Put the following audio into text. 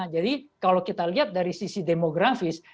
jadi kalau kita lihat dari sisi demografis